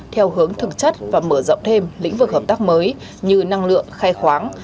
theo hướng thực chất và mở rộng thêm lĩnh vực hợp tác mới như năng lượng khai khoáng